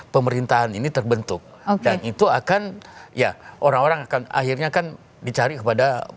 pemerintahan ini terbentuk dan itu akan ya orang orang akan akhirnya kan dicari kepada